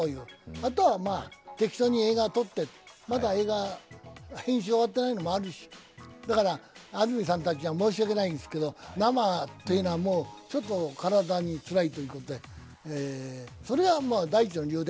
あとは適当に映画を撮ってまだ映画、編集が終わってないのもあるしだから安住さんたちには申し訳ないですけど、生というのはちょっと体につらいということでそれが第１の理由で。